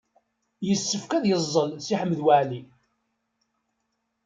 Yessefk ad yeẓẓel Si Ḥmed Waɛli.